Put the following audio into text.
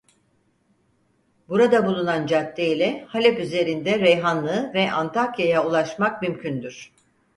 Burada bulunan cadde ile Halep üzerinde Reyhanlı ve Antakya'ya ulaşmak mümkündür.